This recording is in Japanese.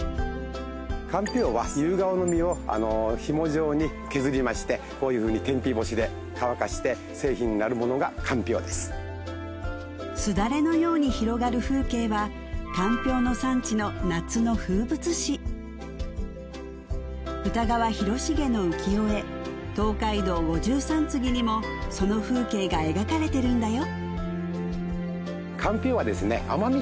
かんぴょうは夕顔の実をひも状に削りましてこういうふうに天日干しで乾かして製品になるものがかんぴょうですすだれのように広がる風景はかんぴょうの産地の夏の風物詩歌川広重の浮世絵「東海道五十三次」にもその風景が描かれてるんだよ